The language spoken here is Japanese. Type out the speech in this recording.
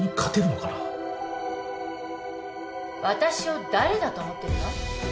私を誰だと思ってるの？